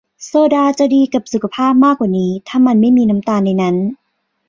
โซดาจะดีกับสุขภาพมากกว่านี้ ถ้ามันไม่มีน้ำตาลในนั้น